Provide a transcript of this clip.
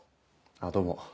あっどうも。